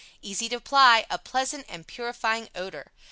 Easy to apply, a pleasant and purifying odor.